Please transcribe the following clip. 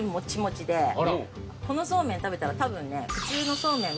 このそうめん食べたらたぶんね。